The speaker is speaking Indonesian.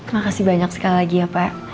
makasih banyak sekali lagi ya pak